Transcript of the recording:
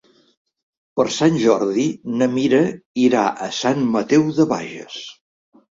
Per Sant Jordi na Mira irà a Sant Mateu de Bages.